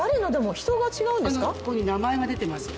ここに名前が出てます。